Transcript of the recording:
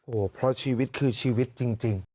โอ้โหเพราะชีวิตคือชีวิตจริง